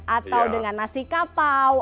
atau dengan nasi kapau